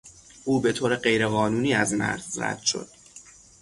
او به طور غیرقانونی از مرز رد شد.